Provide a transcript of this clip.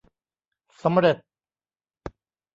สำเร็จ